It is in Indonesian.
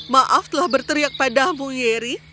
maaf telah berteriak padamu yeri